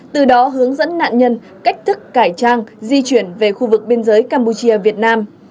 từ đó hướng dẫn nạn nhân cách thức cải trang di chuyển về khu vực biên giới campuchia việt nam